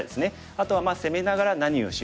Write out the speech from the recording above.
あとは攻めながら何をしようか。